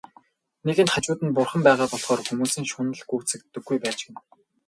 Нэгэнт хажууд нь Бурхан байгаа болохоор хүмүүсийн шунал гүйцэгддэггүй байж гэнэ.